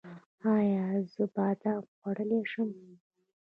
ایا زه بادام خوړلی شم؟